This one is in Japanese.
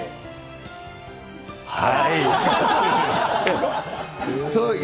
はい！